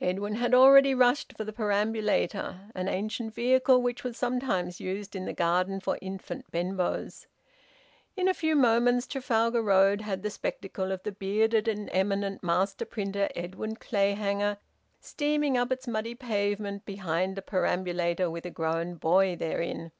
Edwin had already rushed for the perambulator, an ancient vehicle which was sometimes used in the garden for infant Benbows. In a few moments Trafalgar Road had the spectacle of the bearded and eminent master printer, Edwin Clayhanger, steaming up its muddy pavement behind a perambulator with a grown boy therein.